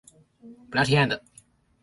本來要提案的